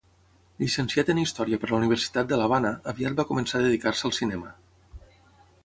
Llicenciat en Història per la Universitat de l'Havana, aviat va començar a dedicar-se al cinema.